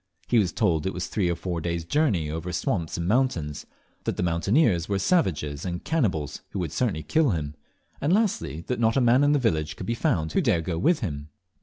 He was told it was three or four days' journey over swamps and mountains; that the mountaineers were savages and cannibals, who would certainly kill him; and, lastly, that not a man in the village could be found who dare go with him.